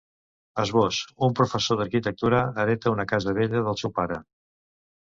Esbós: Un professor d’arquitectura, hereta una casa vella del seu pare.